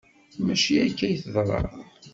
Maci akka ay teḍra.